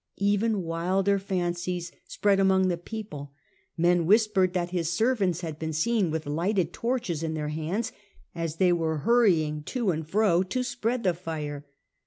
Even wilder fancies spread among the people: men whispered that his servants had been ^nd seen with lighted torches in their hands as suspicions, they were hurrying to and fro to spread the fire.